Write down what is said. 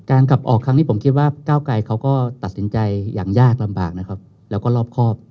กลับออกครั้งนี้ผมคิดว่าก้าวไกรเขาก็ตัดสินใจอย่างยากลำบากนะครับแล้วก็รอบครอบ